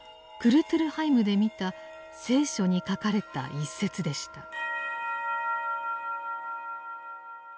クルトゥルハイムで見た「聖書」に書かれた一節でした。